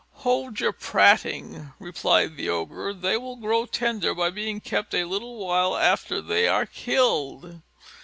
"Hold your prating," replied the Ogre; "they will grow tender by being kept a little while after they are killed."